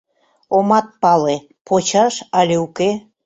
Омат пале — почаш але уке...